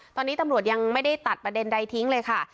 ตอนนี้ตำรวจยังไม่ได้ตัดประเด็นใดทิ้งเลยค่ะ